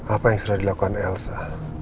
apa yang sudah dilakukan elsa